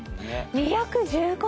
２１５人！